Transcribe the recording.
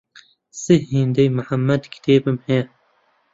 سێ هێندەی محەمەد کتێبم هەیە.